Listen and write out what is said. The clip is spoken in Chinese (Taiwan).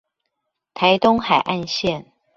臺東海岸線